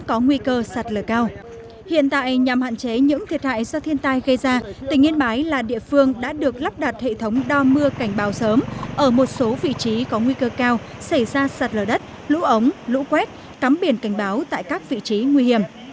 hiện tại nhằm hạn chế những thiệt hại do thiên tai gây ra tỉnh yên bái là địa phương đã được lắp đặt hệ thống đo mưa cảnh báo sớm ở một số vị trí có nguy cơ cao xảy ra sạt lở đất lũ ống lũ quét cắm biển cảnh báo tại các vị trí nguy hiểm